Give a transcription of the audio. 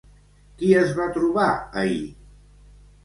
Qui es va trobar ahir?